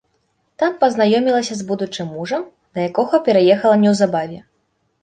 Там пазнаёмілася з будучым мужам, да якога пераехала неўзабаве.